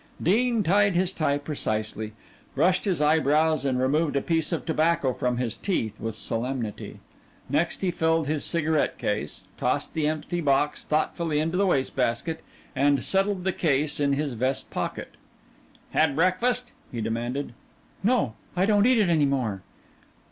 Dean tied his tie precisely, brushed his eyebrows, and removed a piece of tobacco from his teeth with solemnity. Next he filled his cigarette case, tossed the empty box thoughtfully into the waste basket, and settled the case in his vest pocket. "Had breakfast?" he demanded. "No; I don't eat it any more."